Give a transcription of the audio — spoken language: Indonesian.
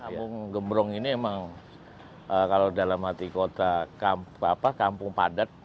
kampung gembrong ini emang kalau dalam hati kota kampung padat